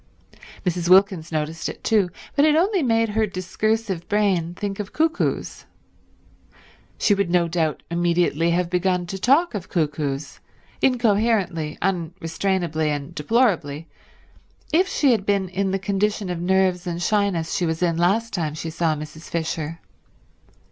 Mrs. Wilkins noticed it too, but it only made her discursive brain think of cuckoos. She would no doubt immediately have begun to talk of cuckoos, incoherently, unrestrainably and deplorably, if she had been in the condition of nerves and shyness she was in last time she saw Mrs. Fisher.